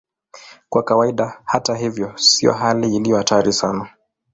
Kwa kawaida, hata hivyo, sio hali iliyo hatari sana.